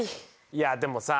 いやでもさ